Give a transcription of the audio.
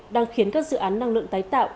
đang khiến các dự án năng lượng tái tạo